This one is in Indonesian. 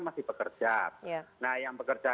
masih bekerja nah yang bekerja